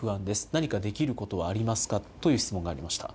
何かできることはありますかという質問がありました。